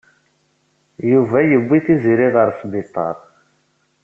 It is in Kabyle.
Yuba yewwi Tiziri ɣer sbiṭar.